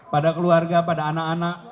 pada keluarga pada anak anak